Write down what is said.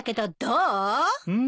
うん。